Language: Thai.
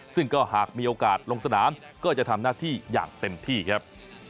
ซึ่งก็หากมีโอกาสลงสนามก็จะทำหน้าที่อย่างเต็มที่ครับ